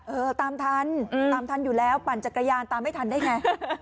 เออตามทันตามทันอยู่แล้วปั่นจักรยานตามไม่ทันได้ไง